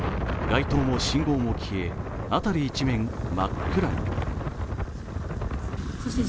街灯も信号も消え、辺り一面真っ暗に。